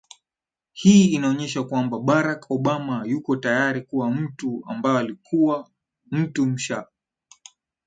hii inaonyesha kwamba barack obama yuko tayari kuwa mtu ambayo anakuwa mtu msha